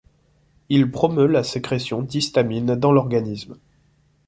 Il promeut la sécrétion d'histamine dans l'organisme.